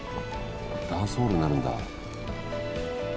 ダンスホールになるんだ。